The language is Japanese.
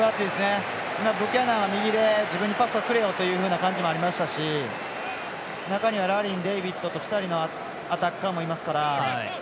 ブキャナンは右でパスをくれよという感じもありましたし中にはラリン、デイビッドと２人のアタッカーもいますから。